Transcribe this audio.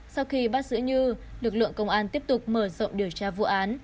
sau khi bắt giữ như lực lượng công an tiếp tục mở rộng điều tra vụ án